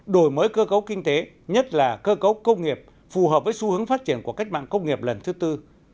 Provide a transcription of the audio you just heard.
đổi mới cơ cấu kinh tế nhất là cơ cấu công nghiệp phù hợp với xu hướng phát triển của cách mạng công nghiệp lần thứ tư